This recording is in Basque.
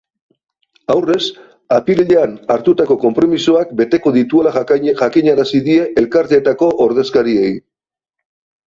Aurrez, apirilean hartutako konpromisoak beteko dituela jakinarazi die elkarteetako ordezkariei.